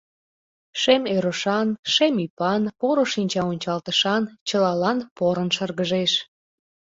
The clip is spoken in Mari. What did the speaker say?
Шем ӧрышан, шем ӱпан, поро шинчаончалтышан, чылалан порын шыргыжеш.